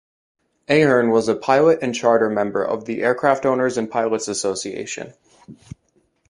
Aherne was a pilot and charter member of the Aircraft Owners and Pilots Association.